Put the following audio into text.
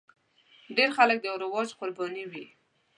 ډېر خلک د رواج قرباني وي.